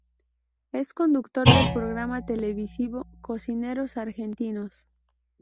Es conductor del programa televisivo "Cocineros argentinos".